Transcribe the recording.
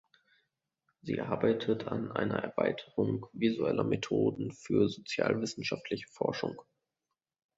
Sie arbeitet an einer Erweiterung visueller Methoden für sozialwissenschaftliche Forschung.